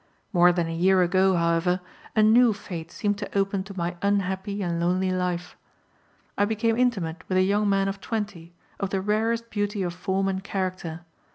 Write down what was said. More than a year ago, however, a new fate seemed to open to my unhappy and lonely life. I became intimate with a young man of 20, of the rarest beauty of form and character.